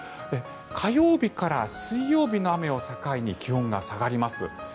火曜日から水曜日の雨を境に気温が下がります。